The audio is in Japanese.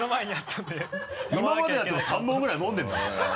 今までだって３本ぐらい飲んでるんだぜ。